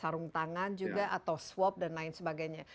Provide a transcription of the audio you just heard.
sarung tangan juga atau swab dan lain sebagainya